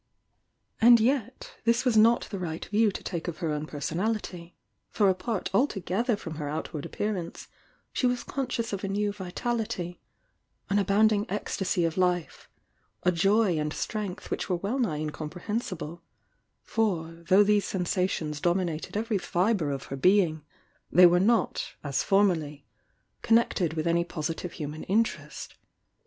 And yet this was not the rig^t view to take of her own personality, for apart alto gethw from her outward appearance she was con scious of a new vitality, — an abounding ecstasy of life, — a joy and strength which were well nigh in comprehensible, — for though these sensations domi nated every fibre of her being, they were not, as formerly, connected with any positive human inter est.